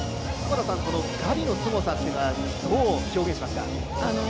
２人のすごさはどう表現しますか？